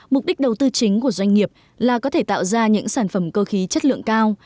mục đích đầu tư chính của doanh nghiệp là có thể tạo ra những sản phẩm cơ khí chất lượng cao